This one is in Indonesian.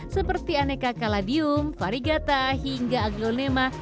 seperti aneka kaladium varigata hingga aglonema